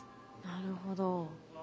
なるほど。